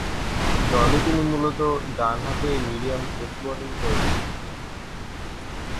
দলে তিনি মূলতঃ ডানহাতে মিডিয়াম পেস বোলিং করে থাকেন।